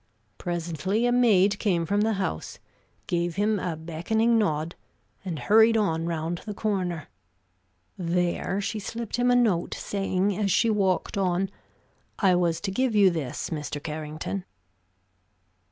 Presently a maid came from the house, gave him a beckoning nod, and hurried on round the corner. There she slipped him a note, saying as she walked on, "I was to give you this, Mr. Carrington."